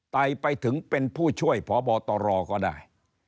ไตไปถึงเป็นผู้ช่วยพบตรก็ได้